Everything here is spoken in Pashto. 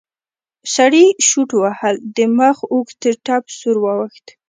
سړي شټوهل د مخ اوږد ټپ سور واوښت.